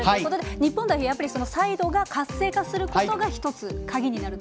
日本代表サイドが活性化することが１つ、鍵になると。